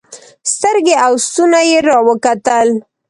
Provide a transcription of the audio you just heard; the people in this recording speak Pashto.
سترګې او ستونى يې راوکتل.